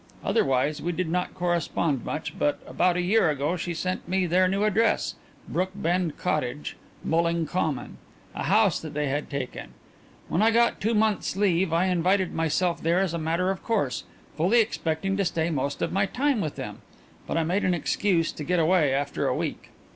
Otherwise we did not correspond much, but about a year ago she sent me their new address Brookbend Cottage, Mulling Common a house that they had taken. When I got two months' leave I invited myself there as a matter of course, fully expecting to stay most of my time with them, but I made an excuse to get away after a week.